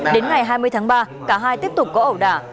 đến ngày hai mươi tháng ba cả hai tiếp tục có ẩu đả